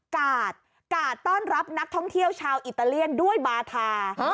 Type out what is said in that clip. กาดกาดต้อนรับนักท่องเที่ยวชาวอิตาเลียนด้วยบาธา